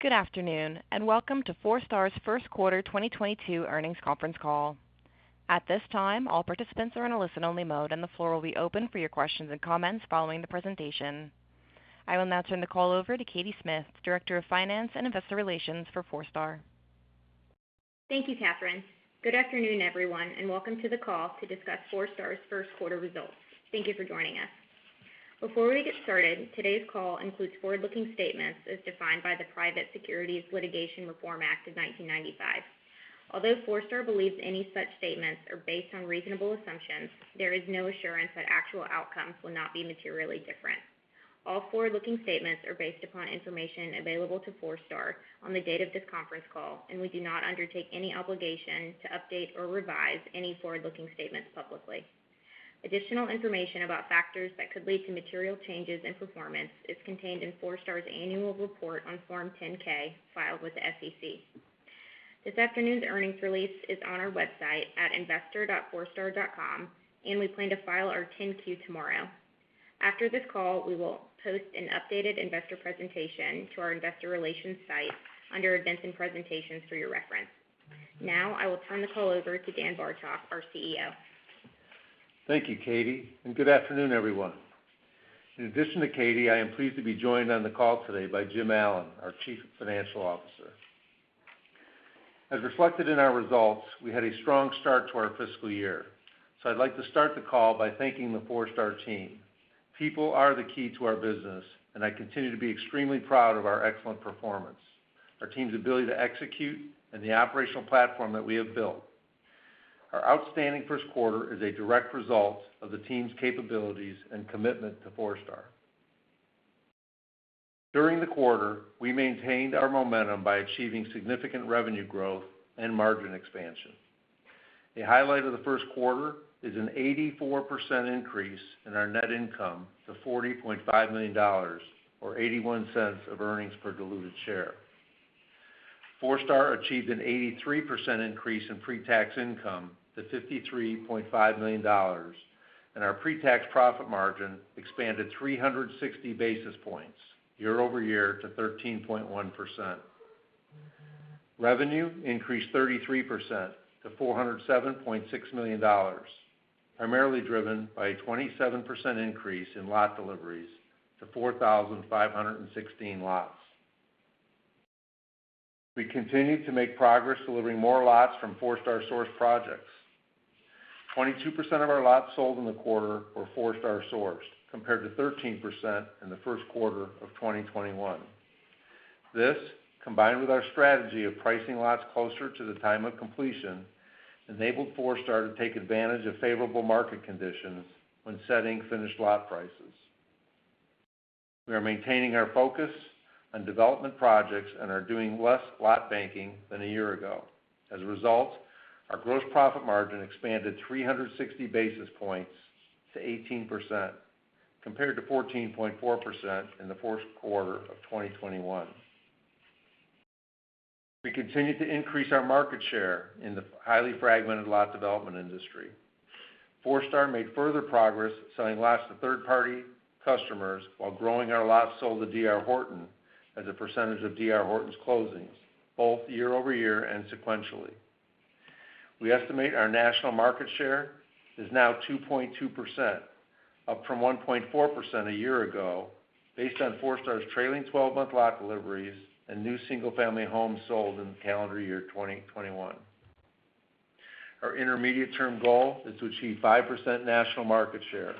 Good afternoon, and welcome to Forestar's first quarter 2022 earnings conference call. At this time, all participants are in a listen-only mode, and the floor will be open for your questions and comments following the presentation. I will now turn the call over to Katie Smith, Director of Finance and Investor Relations for Forestar. Thank you, Catherine. Good afternoon, everyone, and welcome to the call to discuss Forestar's first quarter results. Thank you for joining us. Before we get started, today's call includes forward-looking statements as defined by the Private Securities Litigation Reform Act of 1995. Although Forestar believes any such statements are based on reasonable assumptions, there is no assurance that actual outcomes will not be materially different. All forward-looking statements are based upon information available to Forestar on the date of this conference call, and we do not undertake any obligation to update or revise any forward-looking statements publicly. Additional information about factors that could lead to material changes in performance is contained in Forestar's Annual Report on Form 10-K filed with the SEC. This afternoon's earnings release is on our website at investor.forestar.com, and we plan to file our 10-Q tomorrow. After this call, we will post an updated investor presentation to our investor relations site under Events and Presentations for your reference. Now I will turn the call over to Dan Bartok, our CEO. Thank you, Katie, and good afternoon, everyone. In addition to Katie, I am pleased to be joined on the call today by Jim Allen, our Chief Financial Officer. As reflected in our results, we had a strong start to our fiscal year. I'd like to start the call by thanking the Forestar team. People are the key to our business, and I continue to be extremely proud of our excellent performance, our team's ability to execute, and the operational platform that we have built. Our outstanding first quarter is a direct result of the team's capabilities and commitment to Forestar. During the quarter, we maintained our momentum by achieving significant revenue growth and margin expansion. The highlight of the first quarter is an 84% increase in our net income to $40.5 million or $0.81 of earnings per diluted share. Forestar achieved an 83% increase in pre-tax income to $53.5 million, and our pre-tax profit margin expanded 360 basis points year-over-year to 13.1%. Revenue increased 33% to $407.6 million, primarily driven by a 27% increase in lot deliveries to 4,516 lots. We continued to make progress delivering more lots from Forestar-sourced projects. 22% of our lots sold in the quarter were Forestar-sourced, compared to 13% in the first quarter of 2021. This, combined with our strategy of pricing lots closer to the time of completion, enabled Forestar to take advantage of favorable market conditions when setting finished lot prices. We are maintaining our focus on development projects and are doing less lot banking than a year ago. As a result, our gross profit margin expanded 360 basis points to 18%, compared to 14.4% in the fourth quarter of 2021. We continued to increase our market share in the highly fragmented lot development industry. Forestar made further progress selling lots to third-party customers while growing our lots sold to D.R. Horton as a percentage of D.R. Horton's closings, both year-over-year and sequentially. We estimate our national market share is now 2.2%, up from 1.4% a year ago based on Forestar's trailing twelve-month lot deliveries and new single-family homes sold in calendar year 2021. Our intermediate-term goal is to achieve 5% national market share,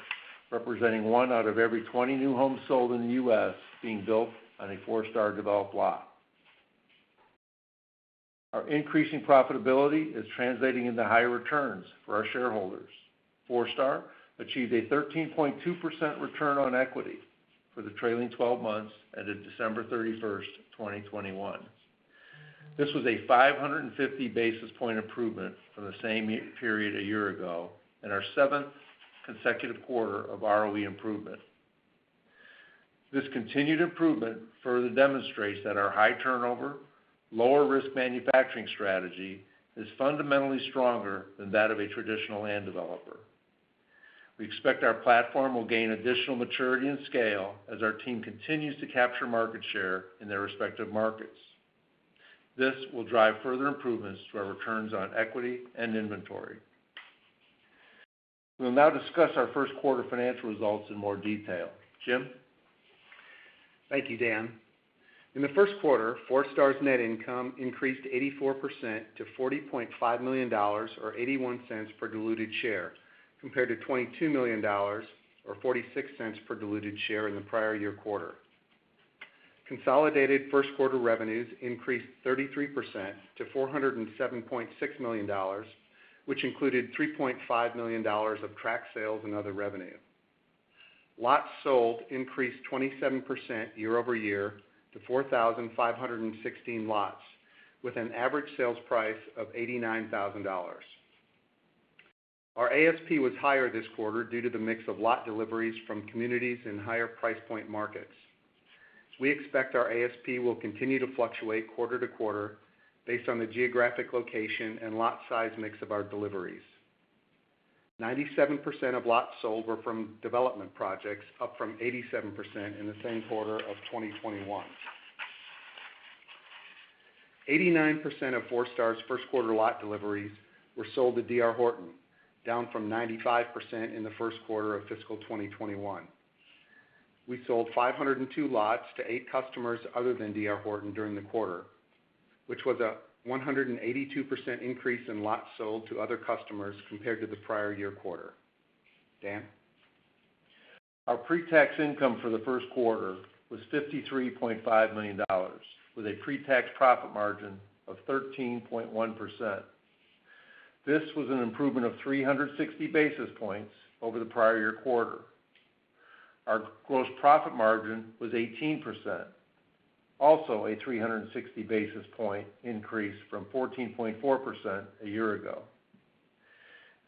representing 1 out of every 20 new homes sold in the U.S. being built on a Forestar-developed lot. Our increasing profitability is translating into higher returns for our shareholders. Forestar achieved a 13.2% return on equity for the trailing twelve months ended December 31, 2021. This was a 550 basis point improvement from the same period a year ago and our seventh consecutive quarter of ROE improvement. This continued improvement further demonstrates that our high turnover, lower risk manufacturing strategy is fundamentally stronger than that of a traditional land developer. We expect our platform will gain additional maturity and scale as our team continues to capture market share in their respective markets. This will drive further improvements to our returns on equity and inventory. We'll now discuss our first quarter financial results in more detail. Jim? Thank you, Dan. In the first quarter, Forestar's net income increased 84% to $40.5 million or $0.81 per diluted share, compared to $22 million or $0.46 per diluted share in the prior year quarter. Consolidated first quarter revenues increased 33% to $407.6 million, which included $3.5 million of tract sales and other revenue. Lots sold increased 27% year-over-year to 4,516 lots, with an average sales price of $89,000. Our ASP was higher this quarter due to the mix of lot deliveries from communities in higher price point markets. We expect our ASP will continue to fluctuate quarter to quarter based on the geographic location and lot size mix of our deliveries. Ninety-seven percent of lots sold were from development projects, up from 87% in the same quarter of 2021. Eighty-nine percent of Forestar's first quarter lot deliveries were sold to D.R. Horton, down from 95% in the first quarter of fiscal 2021. We sold 502 lots to eight customers other than D.R. Horton during the quarter, which was a 182% increase in lots sold to other customers compared to the prior year quarter. Dan? Our pre-tax income for the first quarter was $53.5 million with a pre-tax profit margin of 13.1%. This was an improvement of 360 basis points over the prior year quarter. Our gross profit margin was 18%, also a 360 basis point increase from 14.4% a year ago.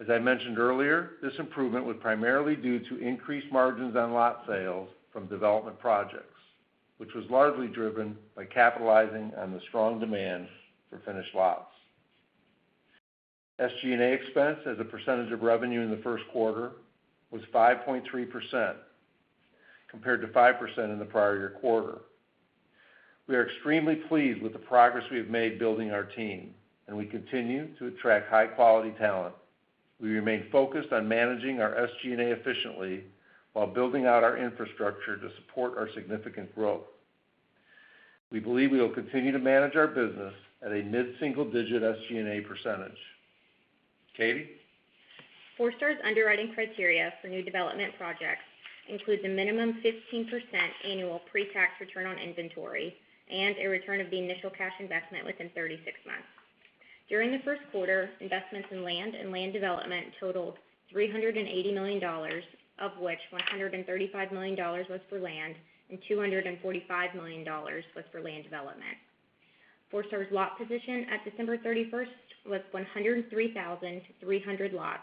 As I mentioned earlier, this improvement was primarily due to increased margins on lot sales from development projects, which was largely driven by capitalizing on the strong demand for finished lots. SG&A expense as a percentage of revenue in the first quarter was 5.3% compared to 5% in the prior year quarter. We are extremely pleased with the progress we have made building our team, and we continue to attract high quality talent. We remain focused on managing our SG&A efficiently while building out our infrastructure to support our significant growth. We believe we will continue to manage our business at a mid-single digit SG&A percentage. Katie? Forestar's underwriting criteria for new development projects includes a minimum 15% annual pre-tax return on inventory and a return of the initial cash investment within 36 months. During the first quarter, investments in land and land development totaled $380 million, of which $135 million was for land and $245 million was for land development. Forestar's lot position at December 31 was 103,300 lots,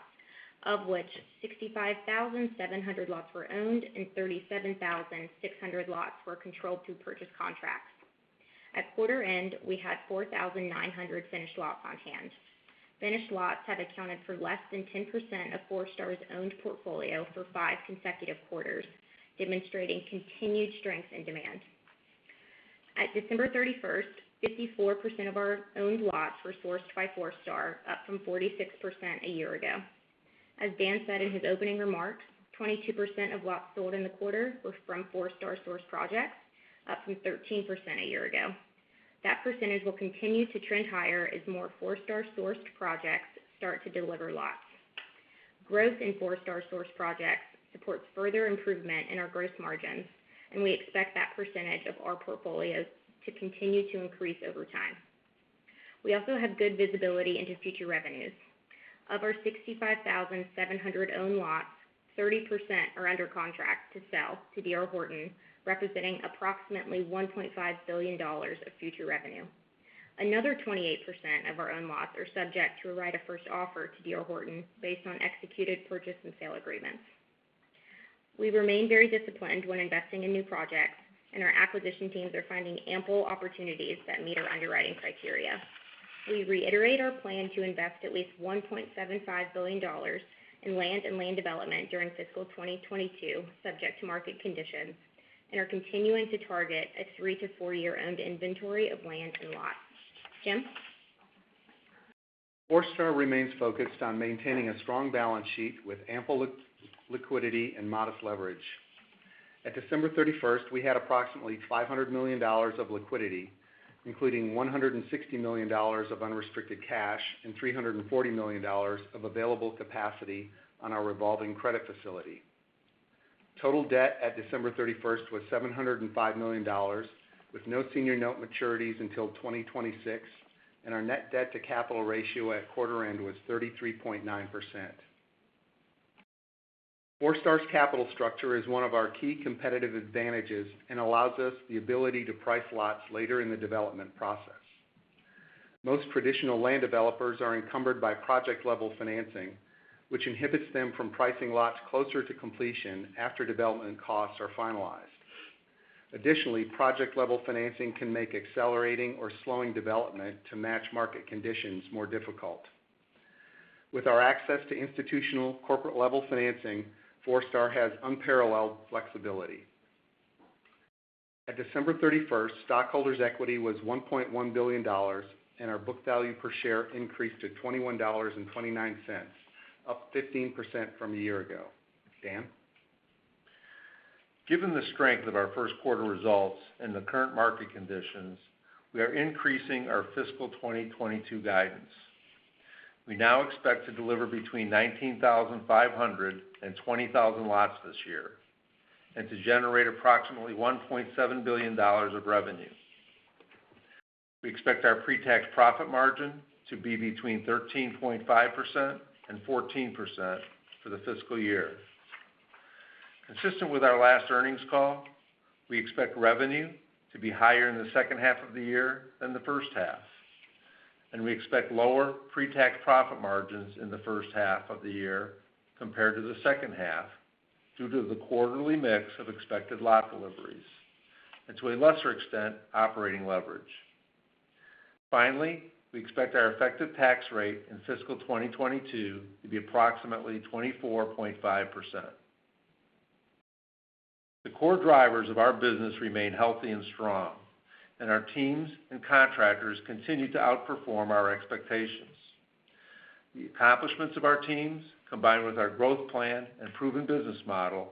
of which 65,700 lots were owned and 37,600 lots were controlled through purchase contracts. At quarter end, we had 4,900 finished lots on hand. Finished lots have accounted for less than 10% of Forestar's owned portfolio for 5 consecutive quarters, demonstrating continued strength in demand. At December 31, 54% of our owned lots were sourced by Forestar, up from 46% a year ago. As Dan said in his opening remarks, 22% of lots sold in the quarter were from Forestar sourced projects, up from 13% a year ago. That percentage will continue to trend higher as more Forestar sourced projects start to deliver lots. Growth in Forestar sourced projects supports further improvement in our gross margins, and we expect that percentage of our portfolios to continue to increase over time. We also have good visibility into future revenues. Of our 65,700 owned lots, 30% are under contract to sell to D.R. Horton, representing approximately $1.5 billion of future revenue. Another 28% of our owned lots are subject to a right of first offer to D.R. Horton based on executed purchase and sale agreements. We remain very disciplined when investing in new projects, and our acquisition teams are finding ample opportunities that meet our underwriting criteria. We reiterate our plan to invest at least $1.75 billion in land and land development during fiscal 2022, subject to market conditions, and are continuing to target a 3-4 year owned inventory of lands and lots. Jim? Forestar remains focused on maintaining a strong balance sheet with ample liquidity and modest leverage. At December 31, we had approximately $500 million of liquidity, including $160 million of unrestricted cash and $340 million of available capacity on our revolving credit facility. Total debt at December 31 was $705 million, with no senior note maturities until 2026, and our net debt to capital ratio at quarter end was 33.9%. Forestar's capital structure is one of our key competitive advantages and allows us the ability to price lots later in the development process. Most traditional land developers are encumbered by project-level financing, which inhibits them from pricing lots closer to completion after development costs are finalized. Additionally, project-level financing can make accelerating or slowing development to match market conditions more difficult. With our access to institutional corporate-level financing, Forestar has unparalleled flexibility. At December 31, stockholders' equity was $1.1 billion, and our book value per share increased to $21.29, up 15% from a year ago. Dan? Given the strength of our first quarter results and the current market conditions, we are increasing our fiscal 2022 guidance. We now expect to deliver between 19,500 and 20,000 lots this year and to generate approximately $1.7 billion of revenue. We expect our pre-tax profit margin to be between 13.5% and 14% for the fiscal year. Consistent with our last earnings call, we expect revenue to be higher in the second half of the year than the first half, and we expect lower pre-tax profit margins in the first half of the year compared to the second half due to the quarterly mix of expected lot deliveries and, to a lesser extent, operating leverage. Finally, we expect our effective tax rate in fiscal 2022 to be approximately 24.5%. The core drivers of our business remain healthy and strong, and our teams and contractors continue to outperform our expectations. The accomplishments of our teams, combined with our growth plan and proven business model,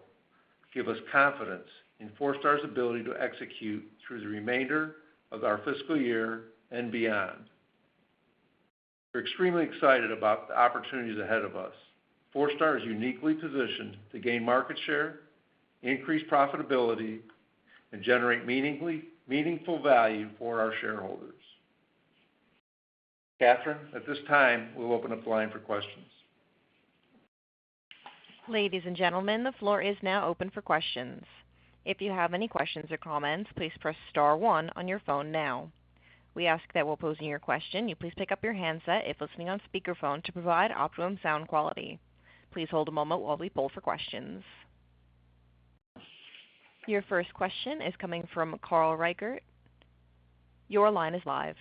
give us confidence in Forestar's ability to execute through the remainder of our fiscal year and beyond. We're extremely excited about the opportunities ahead of us. Forestar is uniquely positioned to gain market share, increase profitability, and generate meaningful value for our shareholders. Catherine, at this time, we'll open up the line for questions. Ladies and gentlemen, the floor is now open for questions. If you have any questions or comments, please press star one on your phone now. We ask that while posing your question, you please pick up your handset if listening on speakerphone to provide optimum sound quality. Please hold a moment while we poll for questions. Your first question is coming from Carl Reichardt. Your line is live.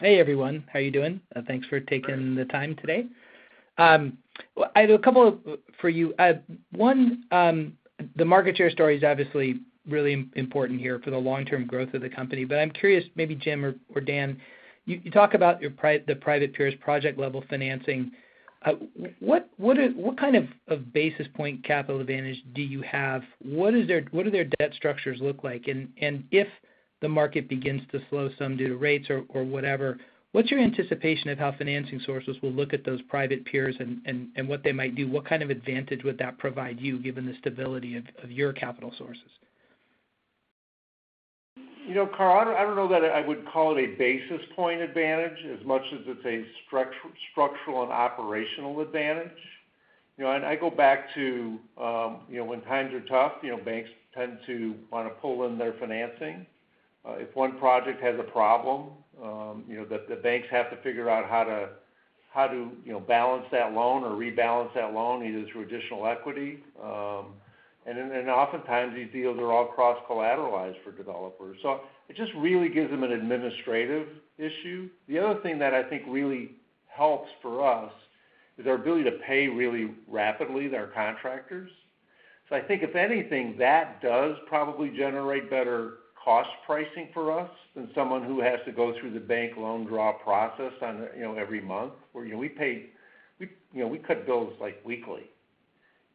Hey everyone, how are you doing? Thanks for taking the time today. I have a couple for you. One, the market share story is obviously really important here for the long-term growth of the company. I'm curious, maybe Jim or Dan, you talk about the private peers project-level financing. What kind of basis point capital advantage do you have? What do their debt structures look like? If the market begins to slow some due to rates or whatever, what's your anticipation of how financing sources will look at those private peers and what they might do? What kind of advantage would that provide you, given the stability of your capital sources? You know, Carl, I don't know that I would call it a basis point advantage as much as it's a structural and operational advantage. You know, I go back to, you know, when times are tough, you know, banks tend to wanna pull in their financing. If one project has a problem, you know, the banks have to figure out how to balance that loan or rebalance that loan either through additional equity. Then oftentimes these deals are all cross-collateralized for developers. So it just really gives them an administrative issue. The other thing that I think really helps for us is our ability to pay really rapidly their contractors. I think if anything, that does probably generate better cost pricing for us than someone who has to go through the bank loan draw process on a, you know, every month. Where, you know, we cut bills like weekly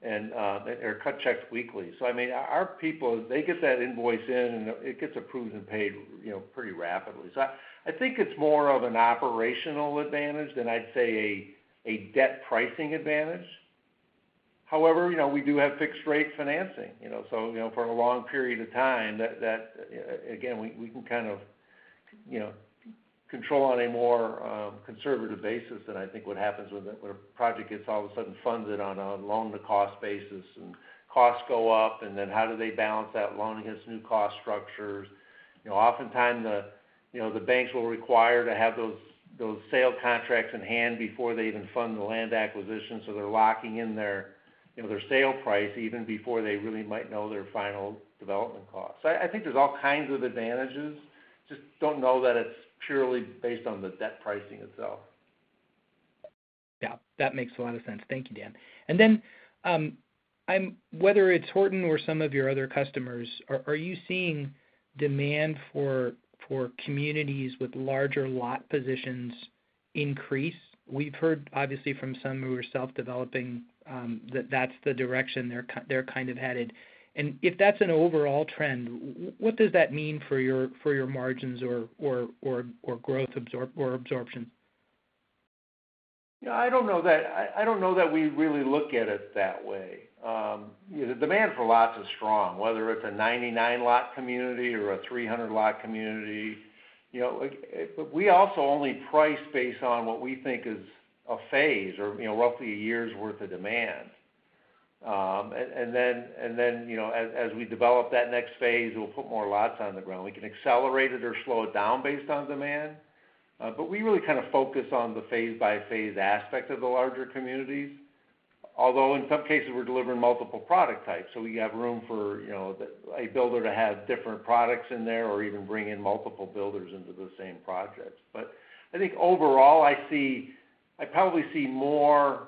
and or cut checks weekly. I mean, our people, they get that invoice in, and it gets approved and paid, you know, pretty rapidly. I think it's more of an operational advantage than I'd say a debt pricing advantage. However, you know, we do have fixed rate financing, you know. You know, for a long period of time, that again, we can kind of, you know, control on a more conservative basis than I think what happens when a project gets all of a sudden funded on a loan-to-cost basis, and costs go up, and then how do they balance that loan against new cost structures. You know, oftentimes, you know, the banks will require to have those sale contracts in hand before they even fund the land acquisition, so they're locking in their, you know, their sale price even before they really might know their final development costs. I think there's all kinds of advantages. Just don't know that it's purely based on the debt pricing itself. Yeah, that makes a lot of sense. Thank you, Dan. Whether it's Horton or some of your other customers, are you seeing demand for communities with larger lot positions increase? We've heard obviously from some who are self-developing that that's the direction they're kind of headed. If that's an overall trend, what does that mean for your margins or growth absorption? Yeah, I don't know that we really look at it that way. You know, the demand for lots is strong, whether it's a 99-lot community or a 300-lot community. You know, like, but we also only price based on what we think is a phase or, you know, roughly a year's worth of demand. Then, you know, as we develop that next phase, we'll put more lots on the ground. We can accelerate it or slow it down based on demand, but we really kind of focus on the phase-by-phase aspect of the larger communities. Although in some cases, we're delivering multiple product types, so we have room for, you know, a builder to have different products in there or even bring in multiple builders into the same projects. I think overall, I probably see more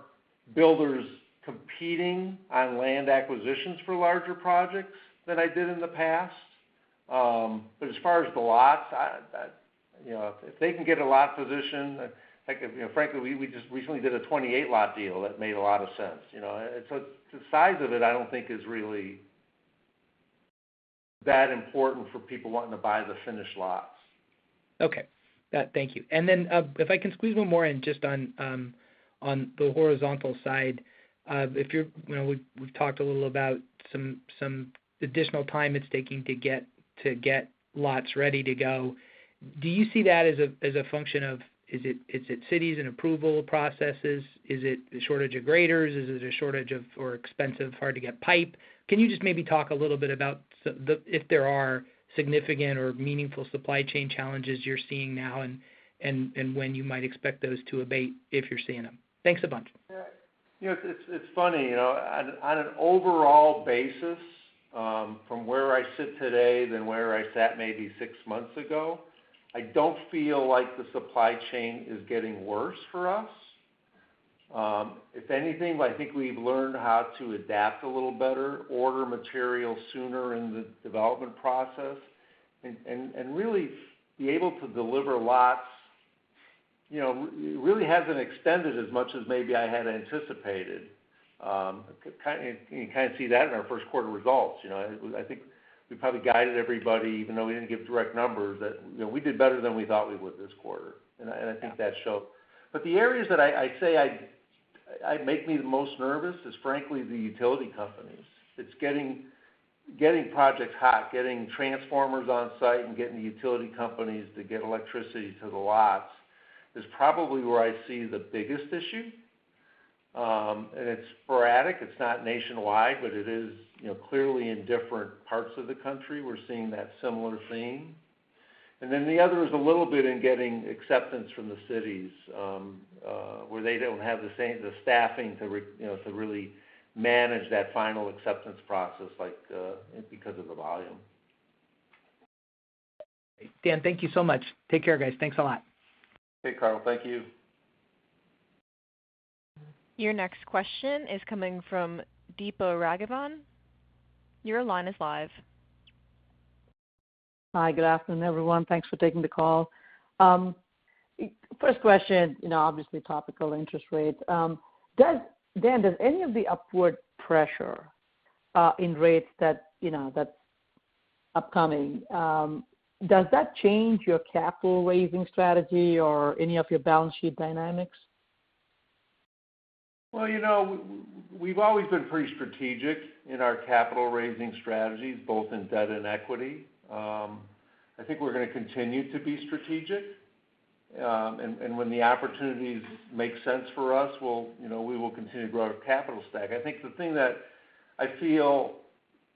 builders competing on land acquisitions for larger projects than I did in the past. As far as the lots, I, you know, if they can get a lot position, I think, you know, frankly, we just recently did a 28 lot deal that made a lot of sense, you know. The size of it, I don't think is really that important for people wanting to buy the finished lots. Okay. Yeah, thank you. If I can squeeze one more in just on the horizontal side. If you're, you know, we've talked a little about some additional time it's taking to get lots ready to go. Do you see that as a function of? Is it cities and approval processes? Is it a shortage of graders? Is it a shortage of, or expensive, hard to get pipe? Can you just maybe talk a little bit about the if there are significant or meaningful supply chain challenges you're seeing now and when you might expect those to abate if you're seeing them? Thanks a bunch. You know, it's funny, you know, on an overall basis, from where I sit today than where I sat maybe six months ago, I don't feel like the supply chain is getting worse for us. If anything, I think we've learned how to adapt a little better, order material sooner in the development process, and really be able to deliver lots. You know, it really hasn't extended as much as maybe I had anticipated. You can kind of see that in our first quarter results. You know, I think we probably guided everybody even though we didn't give direct numbers that, you know, we did better than we thought we would this quarter, and I think that showed. The areas that I'd say make me the most nervous is frankly, the utility companies. It's getting projects hot, getting transformers on site, and getting the utility companies to get electricity to the lots is probably where I see the biggest issue. It's sporadic. It's not nationwide, but it is, you know, clearly in different parts of the country, we're seeing that similar theme. The other is a little bit in getting acceptance from the cities, where they don't have the same staffing to you know, to really manage that final acceptance process like, because of the volume. Dan, thank you so much. Take care, guys. Thanks a lot. Okay, Carl. Thank you. Your next question is coming from Deepa Raghavan. Your line is live. Hi. Good afternoon, everyone. Thanks for taking the call. First question, you know, obviously topical interest rates. Dan, does any of the upward pressure in rates that, you know, that's upcoming, does that change your capital raising strategy or any of your balance sheet dynamics? Well, you know, we've always been pretty strategic in our capital raising strategies, both in debt and equity. I think we're gonna continue to be strategic. And when the opportunities make sense for us, you know, we will continue to grow our capital stack. I think the thing that I feel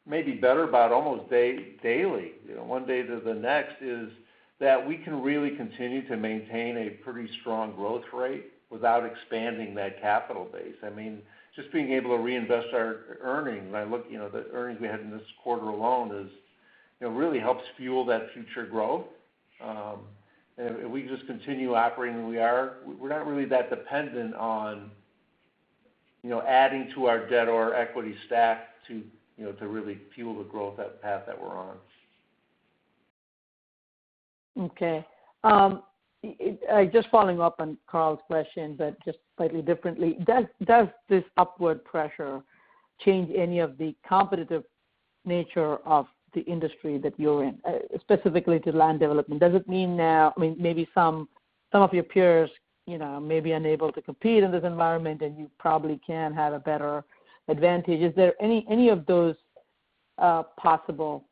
maybe better about almost daily, you know, one day to the next, is that we can really continue to maintain a pretty strong growth rate without expanding that capital base. I mean, just being able to reinvest our earnings. Look, you know, the earnings we had in this quarter alone is, you know, really helps fuel that future growth. If we just continue operating the way we are, we're not really that dependent on, you know, adding to our debt or equity stack to, you know, to really fuel the growth, that path that we're on. Okay. Just following up on Carl's question, but just slightly differently. Does this upward pressure change any of the competitive nature of the industry that you're in, specifically to land development? Does it mean now, I mean, maybe some of your peers, you know, may be unable to compete in this environment, and you probably can have a better advantage. Is there any of those possible,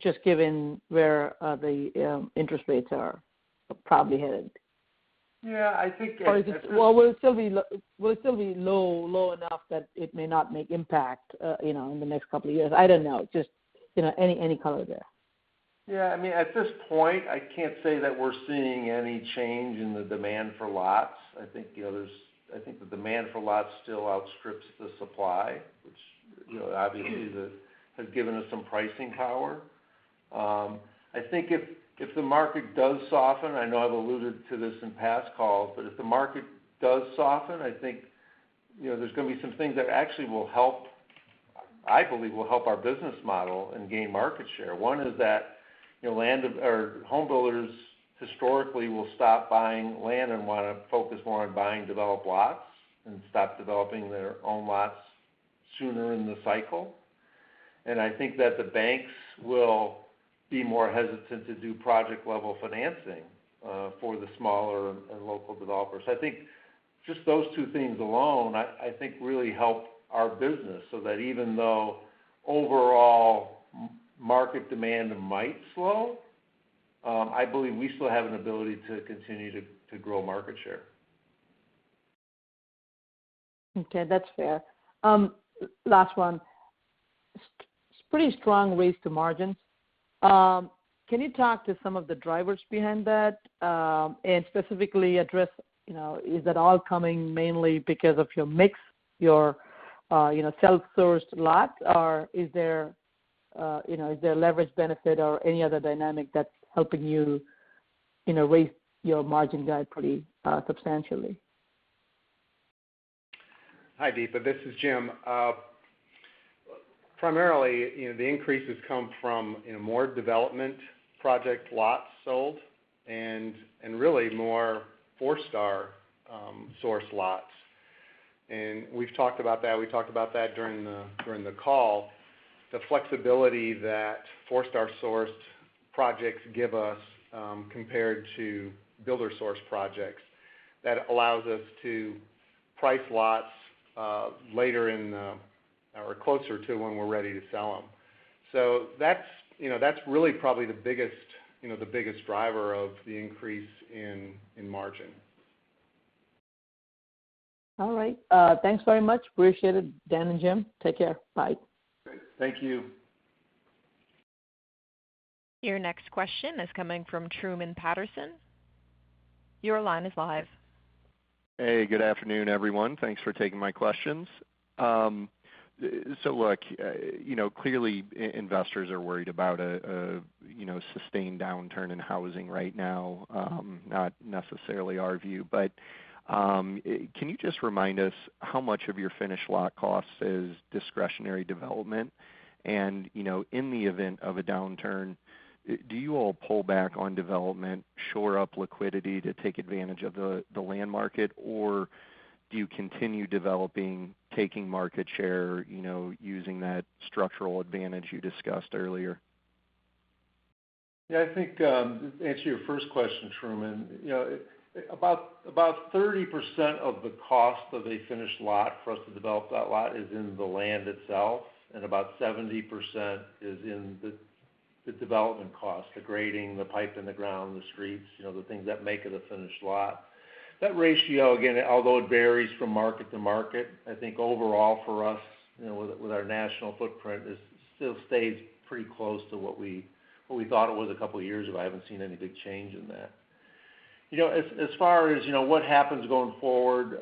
just given where the interest rates are probably headed? Yeah. I think it. Will it still be low enough that it may not make impact, you know, in the next couple of years? I don't know. Just, you know, any color there. Yeah. I mean, at this point, I can't say that we're seeing any change in the demand for lots. I think, you know, there's I think the demand for lots still outstrips the supply, which, you know, obviously has given us some pricing power. I think if the market does soften, I know I've alluded to this in past calls, but if the market does soften, I think, you know, there's gonna be some things that actually will help, I believe will help our business model and gain market share. One is that, you know, or home builders historically will stop buying land and wanna focus more on buying developed lots and stop developing their own lots sooner in the cycle. I think that the banks will be more hesitant to do project-level financing for the smaller and local developers. I think just those two things alone really help our business, so that even though overall market demand might slow, I believe we still have an ability to continue to grow market share. Okay. That's fair. Last one. Pretty strong raise to margins. Can you talk to some of the drivers behind that, and specifically address, you know, is that all coming mainly because of your mix, your, you know, self-sourced lots? Or is there, you know, is there a leverage benefit or any other dynamic that's helping you know, raise your margin guide pretty substantially? Hi, Deepa. This is Jim. Primarily, you know, the increases come from, you know, more development project lots sold and really more Forestar-sourced lots. We've talked about that during the call. The flexibility that Forestar-sourced projects give us, compared to builder-sourced projects, that allows us to price lots later or closer to when we're ready to sell them. That's really probably the biggest driver of the increase in margin. All right. Thanks very much. Appreciate it, Dan and Jim. Take care. Bye. Great. Thank you. Your next question is coming from Truman Patterson. Your line is live. Hey, good afternoon, everyone. Thanks for taking my questions. Look, clearly investors are worried about a sustained downturn in housing right now, not necessarily our view. Can you just remind us how much of your finished lot cost is discretionary development? In the event of a downturn, do you all pull back on development, shore up liquidity to take advantage of the land market, or do you continue developing, taking market share, you know, using that structural advantage you discussed earlier? Yeah, I think to answer your first question, Truman, you know, about 30% of the cost of a finished lot for us to develop that lot is in the land itself, and about 70% is in the development cost, the grading, the pipe in the ground, the streets, you know, the things that make it a finished lot. That ratio, again, although it varies from market to market, I think overall for us, you know, with our national footprint, it still stays pretty close to what we thought it was a couple of years ago. I haven't seen any big change in that. You know, as far as what happens going forward,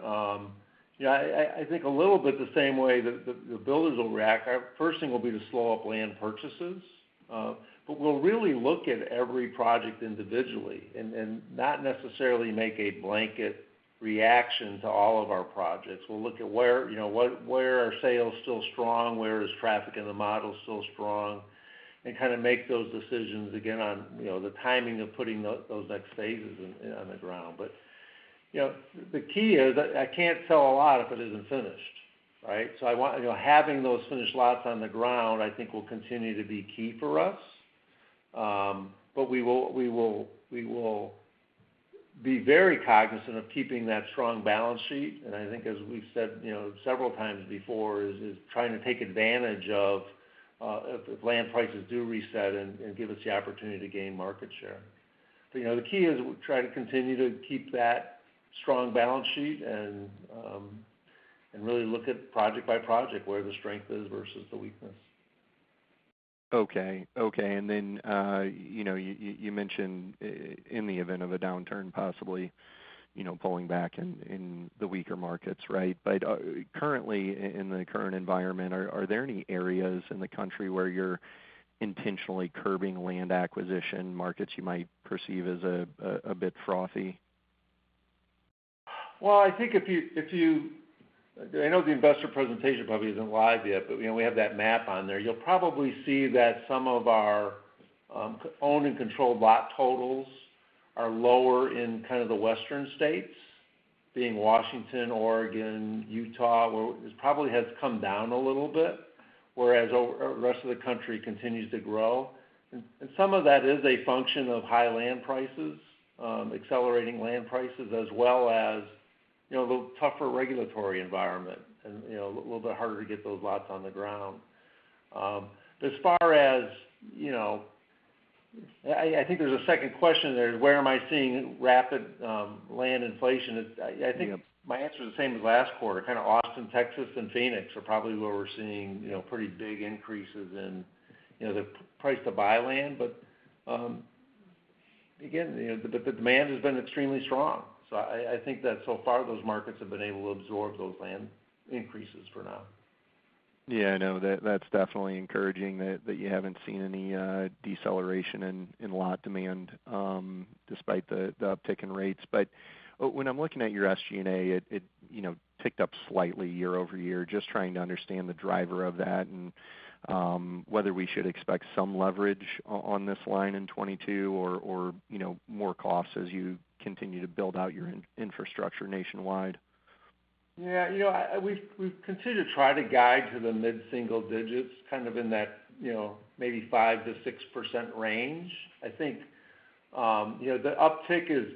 yeah, I think a little bit the same way that the builders will react. Our first thing will be to slow up land purchases, but we'll really look at every project individually and not necessarily make a blanket reaction to all of our projects. We'll look at where, you know, where are sales still strong, where is traffic in the model still strong, and kind of make those decisions again on, you know, the timing of putting those next phases on the ground. You know, the key is I can't sell a lot if it isn't finished, right? I want, you know, having those finished lots on the ground, I think will continue to be key for us. We will be very cognizant of keeping that strong balance sheet. I think as we've said, you know, several times before, is trying to take advantage of if land prices do reset and give us the opportunity to gain market share. You know, the key is we try to continue to keep that strong balance sheet and really look at project by project, where the strength is versus the weakness. Okay. You know, you mentioned in the event of a downturn, possibly, you know, pulling back in the weaker markets, right? Currently in the current environment, are there any areas in the country where you're intentionally curbing land acquisition markets you might perceive as a bit frothy? Well, I think I know the investor presentation probably isn't live yet, but, you know, we have that map on there. You'll probably see that some of our owned and controlled lot totals are lower in kind of the Western states, being Washington, Oregon, Utah, where it probably has come down a little bit, whereas over the rest of the country continues to grow. Some of that is a function of high land prices, accelerating land prices, as well as, you know, the tougher regulatory environment and, you know, a little bit harder to get those lots on the ground. As far as, you know, I think there's a second question there, where am I seeing rapid land inflation? Yeah. I think my answer is the same as last quarter. In Austin, Texas, and Phoenix are probably where we're seeing, you know, pretty big increases in, you know, the price to buy land. Again, you know, the demand has been extremely strong. I think that so far those markets have been able to absorb those land increases for now. Yeah, I know. That's definitely encouraging that you haven't seen any deceleration in lot demand despite the uptick in rates. When I'm looking at your SG&A, it, you know, ticked up slightly year-over-year. Just trying to understand the driver of that and whether we should expect some leverage on this line in 2022 or, you know, more costs as you continue to build out your infrastructure nationwide. Yeah. You know, we've continued to try to guide to the mid-single digits, kind of in that, you know, maybe 5%-6% range. I think, you know, the uptick is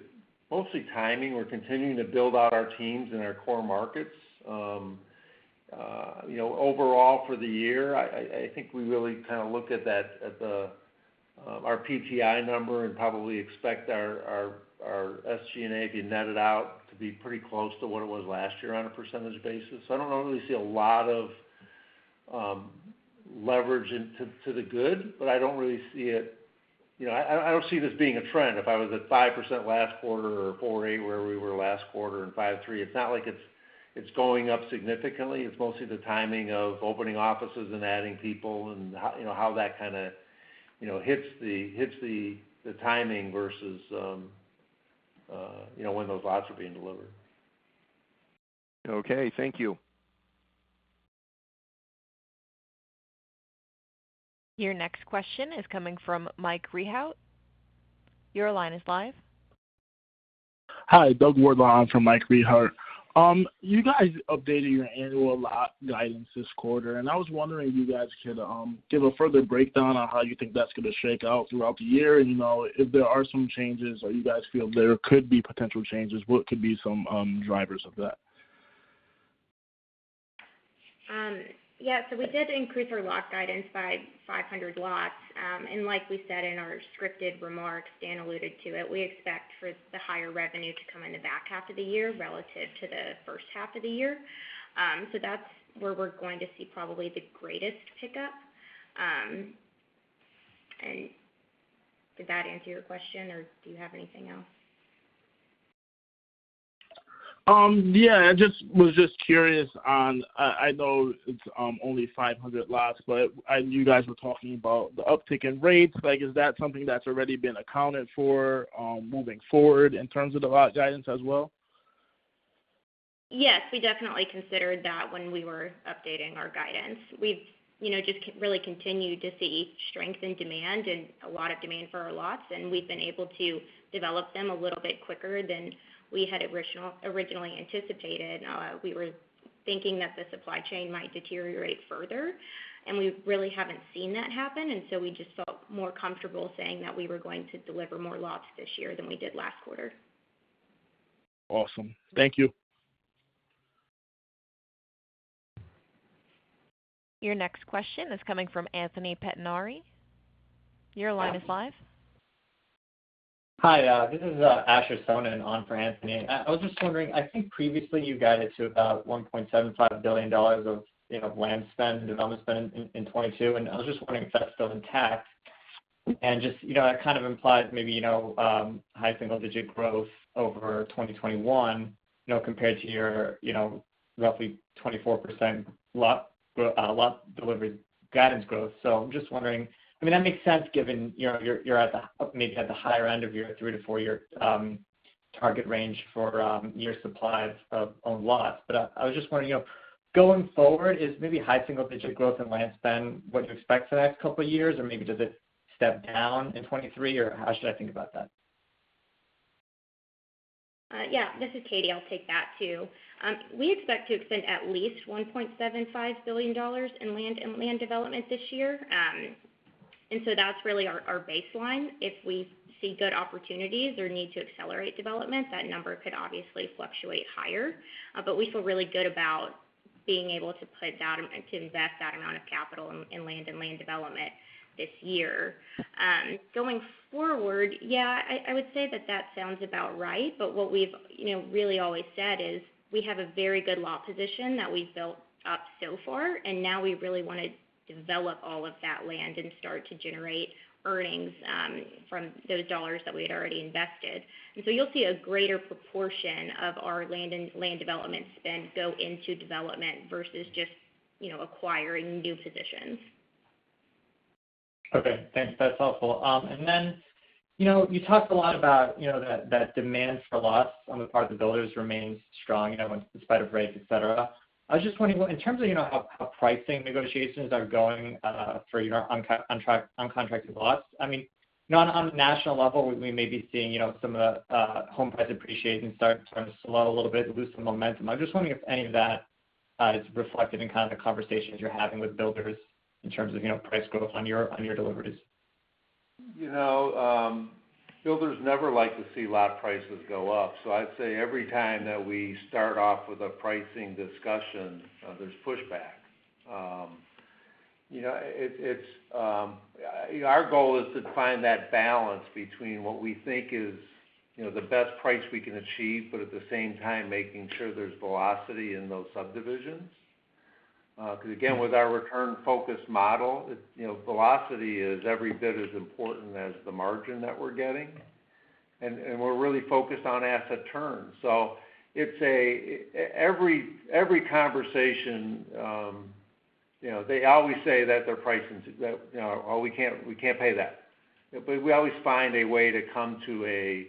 mostly timing. We're continuing to build out our teams in our core markets. You know, overall for the year, I think we really kind of look at that, at the, our PTI number and probably expect our SG&A, if you net it out, to be pretty close to what it was last year on a percentage basis. So I don't really see a lot of, leverage to the good, but I don't really see it, you know. I don't see this being a trend. If I was at 5% last quarter or 4.8% where we were last quarter and 5.3%, it's not like it's going up significantly. It's mostly the timing of opening offices and adding people and how, you know, how that kind of, you know, hits the timing versus when those lots are being delivered. Okay, thank you. Your next question is coming from Mike Rehaut. Your line is live. Hi, Doug Wardlaw on for Mike Rehaut. You guys updated your annual lot guidance this quarter, and I was wondering if you guys could give a further breakdown on how you think that's gonna shake out throughout the year and, you know, if there are some changes or you guys feel there could be potential changes, what could be some drivers of that? Yeah. We did increase our lot guidance by 500 lots. Like we said in our scripted remarks, Dan alluded to it. We expect for the higher revenue to come in the back half of the year relative to the first half of the year. That's where we're going to see probably the greatest pickup. Did that answer your question, or do you have anything else? Yeah, I just was curious on, I know it's only 500 lots, but I knew you guys were talking about the uptick in rates. Like, is that something that's already been accounted for, moving forward in terms of the lot guidance as well? Yes, we definitely considered that when we were updating our guidance. We've just really continued to see strength in demand and a lot of demand for our lots, and we've been able to develop them a little bit quicker than we had originally anticipated. We were thinking that the supply chain might deteriorate further, and we really haven't seen that happen. We just felt more comfortable saying that we were going to deliver more lots this year than we did last quarter. Awesome. Thank you. Your next question is coming from Anthony Pettinari. Your line is live. Hi, this is Asher Sohnen on for Anthony. I was just wondering, I think previously you guided to about $1.75 billion of, you know, land spend, development spend in 2022. I was just wondering if that's still intact. Just, you know, that kind of implies maybe, you know, high single-digit growth over 2021, you know, compared to your, you know, roughly 24% lot delivery guidance growth. I'm just wondering. I mean, that makes sense given, you know, you're at the, maybe at the higher end of your 3-4 year target range for your supplies of own lots. I was just wondering, you know, going forward is maybe high single digit growth in land spend what you expect for the next couple of years, or maybe does it step down in 2023, or how should I think about that? Yeah, this is Katie. I'll take that too. We expect to spend at least $1.75 billion in land and land development this year. That's really our baseline. If we see good opportunities or need to accelerate development, that number could obviously fluctuate higher. We feel really good about being able to put that to invest that amount of capital in land and land development this year. Going forward, yeah, I would say that sounds about right, but what we've you know really always said is we have a very good lot position that we've built up so far, and now we really wanna develop all of that land and start to generate earnings from those dollars that we had already invested. You'll see a greater proportion of our land and land development spend go into development versus just, you know, acquiring new positions. Okay. Thanks. That's helpful. You know, you talked a lot about that demand for lots on the part of the builders remains strong, you know, in spite of rates, etcetera. I was just wondering, well, in terms of how pricing negotiations are going for your uncontracted lots. I mean, you know, on a national level, we may be seeing some of the home price appreciation start to slow a little bit, lose some momentum. I'm just wondering if any of that is reflected in kind of the conversations you're having with builders in terms of price growth on your deliveries. You know, builders never like to see lot prices go up. I'd say every time that we start off with a pricing discussion, there's pushback. You know, our goal is to find that balance between what we think is, you know, the best price we can achieve, but at the same time, making sure there's velocity in those subdivisions. Because again, with our return focus model, you know, velocity is every bit as important as the margin that we're getting, and we're really focused on asset turns. Every conversation, you know, they always say that their pricing's, that, you know, "Oh, we can't pay that." But we always find a way to come to a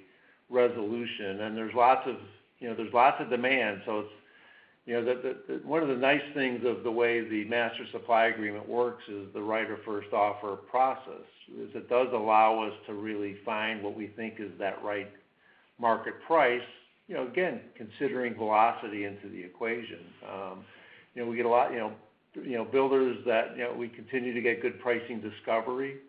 resolution. There's lots of demand. You know, the One of the nice things of the way the master supply agreement works is the right of first offer process. It does allow us to really find what we think is that right market price. You know, again, considering velocity into the equation. You know, we get a lot of builders that we continue to get good pricing discovery.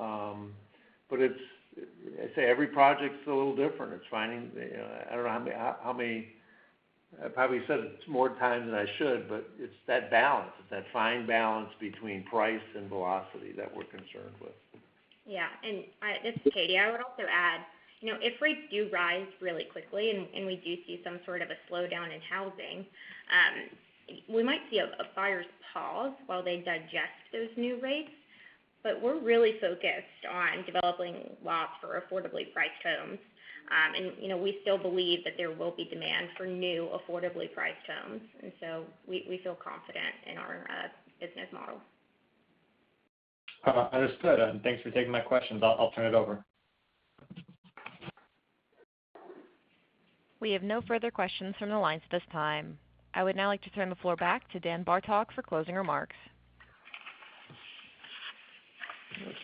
It's, I say, every project's a little different. It's finding, you know. I don't know how many. I probably said it more times than I should. It's that balance, it's that fine balance between price and velocity that we're concerned with. Yeah. This is Katie. I would also add, you know, if rates do rise really quickly and we do see some sort of a slowdown in housing, we might see a buyer's pause while they digest those new rates. But we're really focused on developing lots for affordably priced homes. You know, we still believe that there will be demand for new affordably priced homes. We feel confident in our business model. Understood. Thanks for taking my questions. I'll turn it over. We have no further questions from the lines at this time. I would now like to turn the floor back to Dan Bartok for closing remarks. Let's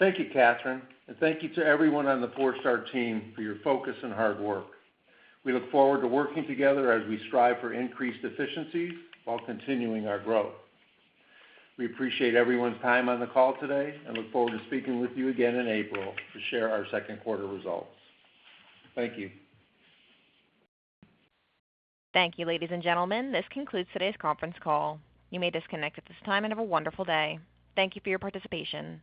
see. Thank you, Catherine, and thank you to everyone on the Forestar team for your focus and hard work. We look forward to working together as we strive for increased efficiencies while continuing our growth. We appreciate everyone's time on the call today and look forward to speaking with you again in April to share our second quarter results. Thank you. Thank you, ladies and gentlemen. This concludes today's conference call. You may disconnect at this time and have a wonderful day. Thank you for your participation.